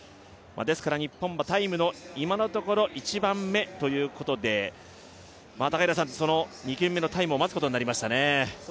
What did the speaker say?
日本はタイムの今のところ１番目ということで、２組目のタイムを待つことになりましたね。